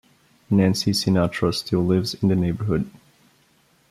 Nancy Sinatra still lives in the neighborhood.